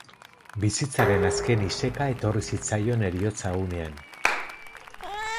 Bizitzaren azken iseka etorri zitzaion heriotza egunean.